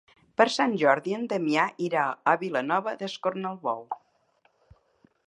Per Sant Jordi en Damià irà a Vilanova d'Escornalbou.